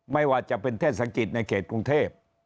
ไม่ว่าจะเป็นเทศกิจในเขตกรุงเทพ